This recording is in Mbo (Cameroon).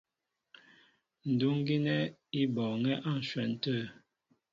Ndúŋ gínɛ́ í bɔɔŋɛ́ á ǹshwɛn tê.